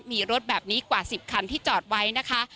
มีรถแบบนี้กว่า๑๐คันที่จอดไว้นะคะ